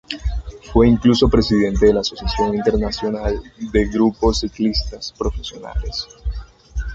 Fue incluso presidente de la Asociación Internacional de Grupos Ciclistas Profesionales.